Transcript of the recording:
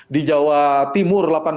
di jawa timur delapan puluh